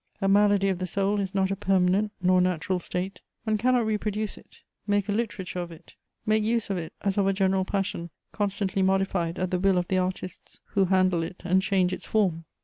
A malady of the soul is not a permanent nor natural state: one cannot reproduce it, make a literature of it, make use of it as of a general passion constantly modified at the will of the artists who handle it and change its form.